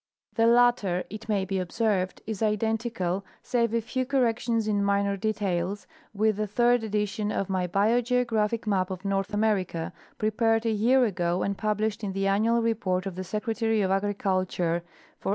The latter, it may be observed, is identical, save a few correc tions in minor details, with the third edition of my Bio geographic map of North America (prepared a year ago and published in the Annual Report of the Secretary of Agriculture for 1893).